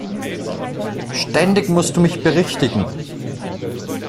Ständig musst du mich berichtigen!